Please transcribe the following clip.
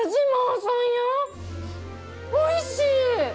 おいしい！